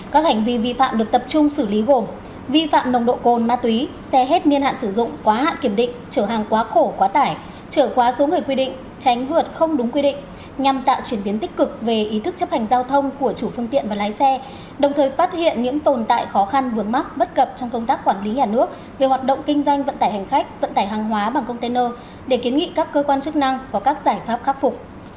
các hành vi vi phạm được tập trung xử lý gồm vi phạm nồng độ cồn ma túy xe hết niên hạn sử dụng quá hạn kiểm định trở hàng quá khổ quá tải trở quá xuống người quy định tránh vượt không đúng quy định nhằm tạo chuyển biến tích cực về ý thức chấp hành giao thông của chủ phương tiện và lái xe đồng thời phát hiện những tồn tại khó khăn vượt mắt bất cập trong công tác quản lý nhà nước về hoạt động kinh doanh vận tải hành khách vận tải hàng hóa bằng container để kiến nghị các cơ quan chức năng và các giải pháp khắc phục